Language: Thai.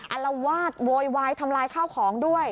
อารวาสโวยวายทำลายข้าวของด้วย